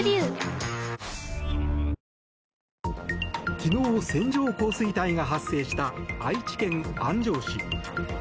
昨日、線状降水帯が発生した愛知県安城市。